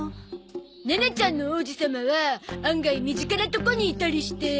ネネちゃんの王子様は案外身近なとこにいたりして。